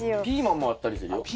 ピーマンもあったりするよ。